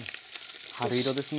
春色ですね。